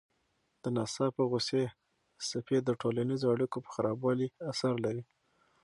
د ناڅاپه غوسې څپې د ټولنیزو اړیکو په خرابوالي اثر لري.